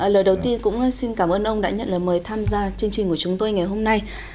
lời đầu tiên cũng xin cảm ơn ông đã nhận lời mời tham gia chương trình của chúng tôi ngày hôm nay